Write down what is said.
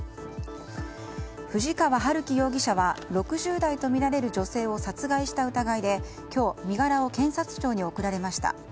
藤川春樹容疑者は６０代とみられる女性を殺害した疑いで今日身柄を検察庁に送られました。